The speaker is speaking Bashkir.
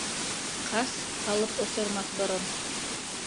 Ҡас, һалып осормаҫ борон!